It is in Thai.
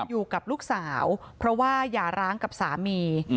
อยู่กับลูกสาวเพราะว่าอย่าร้างกับสามี